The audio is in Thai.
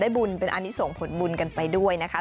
บุญเป็นอันนี้ส่งผลบุญกันไปด้วยนะคะ